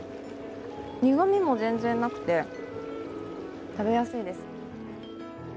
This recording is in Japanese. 苦みも全然なくて食べやすいです。